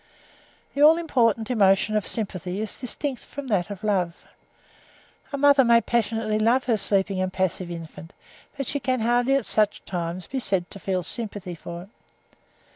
The all important emotion of sympathy is distinct from that of love. A mother may passionately love her sleeping and passive infant, but she can hardly at such times be said to feel sympathy for it.